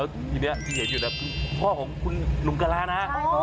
ทีนี้ที่เห็นอยู่คือพ่อของคุณลุงกะลานะ